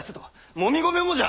もみ米もじゃ！